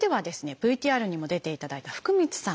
ＶＴＲにも出ていただいた福満さん。